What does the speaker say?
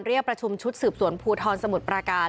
เรียกประชุมชุดสืบสวนภูทรสมุทรปราการ